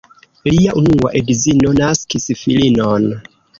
Lia unua edzino naskis filinon.